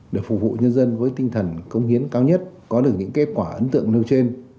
để phục vụ nhân dân với tinh thần công hiến cao nhất có được những kết quả ấn tượng nêu trên